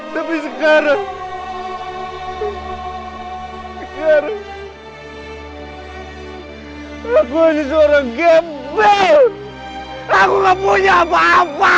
tapi sekarang sekarang aku hanya seorang gembil aku tidak punya apa apa